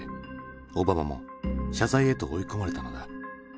オバマも謝罪へと追い込まれたのだ。